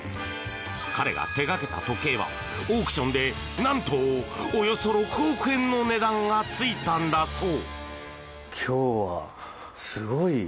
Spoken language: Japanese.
彼が手掛けた時計はオークションでなんとおよそ６億円の値段がついたんだそう！